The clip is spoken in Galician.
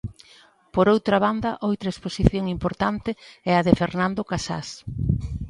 Por outra banda, outra exposición importante é a de Fernando Casás.